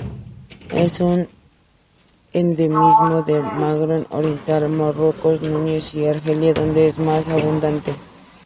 Es un endemismo del Magreb oriental, Marruecos, Túnez y Argelia donde es más abundante.